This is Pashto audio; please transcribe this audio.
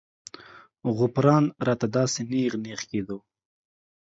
غوپران راته داسې نېغ نېغ کېدو.